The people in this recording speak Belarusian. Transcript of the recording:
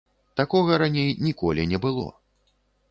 Такога раней ніколі не было.